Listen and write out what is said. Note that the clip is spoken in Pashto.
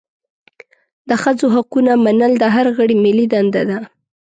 د ښځو حقونه منل د هر غړي ملي دنده ده.